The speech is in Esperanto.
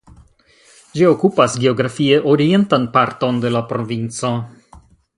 Ĝi okupas geografie orientan parton de la provinco.